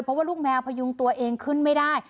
เพราะว่าลูกแมวพยุงตัวเองขึ้นไม่ได้